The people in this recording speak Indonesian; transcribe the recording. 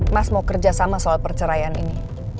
mas mau kerjasama soal perceraian ini